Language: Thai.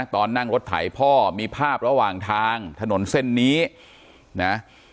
ตอนนั่งรถไถพ่อมีภาพระหว่างทางถนนเส้นนี้นะ